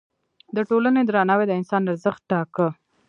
د ټولنې درناوی د انسان ارزښت ټاکه.